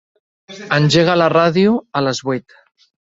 Engega la ràdio a les vuit.